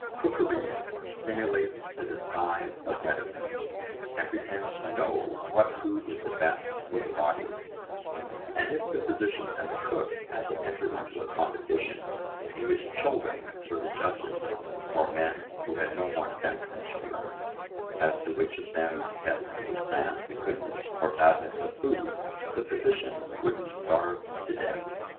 Cookery simulates the disguise of medicine, and pretends to know what food is the best for the body; and if the physician and the cook had to enter into a competition in which children were the judges, or men who had no more sense than children, as to which of them best understands the goodness or badness of food, the physician would be starved to death.